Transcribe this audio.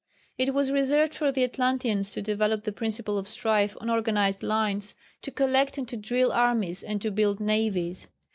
It was reserved for the Atlanteans to develop the principle of strife on organised lines to collect and to drill armies and to build navies.